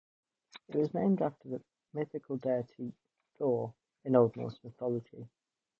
It was named after the mythical deity Thor in Old Norse mythology.